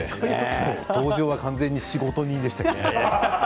登場は完全に「仕事人」でしたね。